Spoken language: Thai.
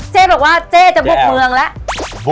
เจ๊บอกว่าเจ๊จะบุกเมืองแล้ว